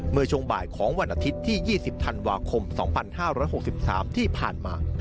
เมื่อช่วงบ่ายของวันอาทิตย์ที่๒๐ธันวาคม๒๕๖๓ที่ผ่านมา